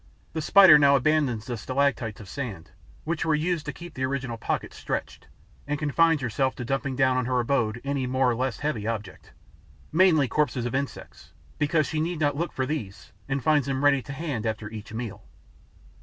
The Spider now abandons the stalactites of sand, which were used to keep the original pocket stretched, and confines herself to dumping down on her abode any more or less heavy object, mainly corpses of insects, because she need not look for these and finds them ready to hand after each meal.